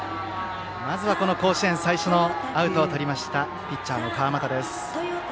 まずは甲子園最初のアウトをとりましたピッチャーの川又です。